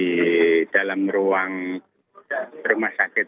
di dalam ruang rumah sakit